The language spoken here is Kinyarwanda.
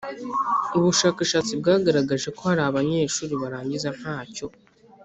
’ubushakashatsi bwagaragaje ko hari abanyeshuri barangiza ntacyo